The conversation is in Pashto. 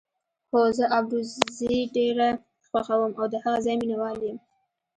هو، زه ابروزي ډېره خوښوم او د هغه ځای مینه وال یم.